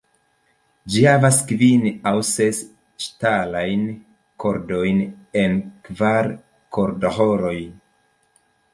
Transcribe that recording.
Ĝi havas kvin aŭ ses ŝtalajn kordojn en kvar kordoĥoroj.